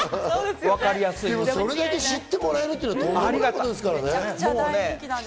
でもそれだけ知ってもらえるっていうのはとんでもないですからね。